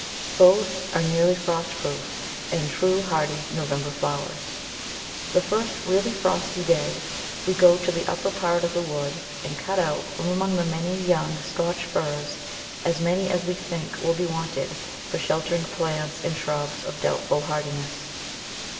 Both are nearly frost proof, and true hardy November flowers. The first really frosty day we go to the upper part of the wood and cut out from among the many young Scotch Firs as many as we think will be wanted for sheltering plants and shrubs of doubtful hardiness.